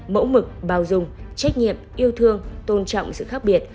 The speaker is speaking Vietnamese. mẫu mực bao dung trách nhiệm yêu thương tôn trọng sự khác biệt